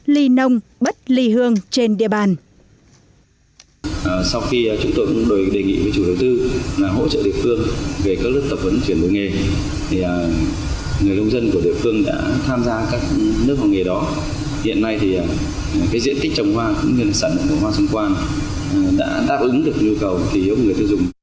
ly nông bất ly hương trên địa bàn